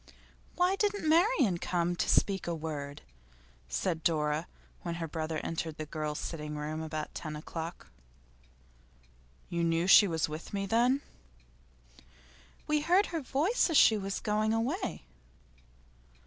'Why didn't Marian come to speak a word?' said Dora, when her brother entered the girls' sitting room about ten o'clock. 'You knew she was with me, then?' 'We heard her voice as she was going away.